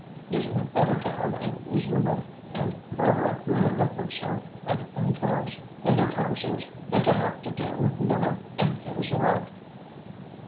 Isn't it better to have a reasonable and moderate man like myself of influence in their councils than to have to deal with Miller and his lot?"